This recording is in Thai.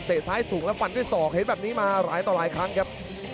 ซ้ายสูงแล้วฟันด้วยศอกเห็นแบบนี้มาหลายต่อหลายครั้งครับ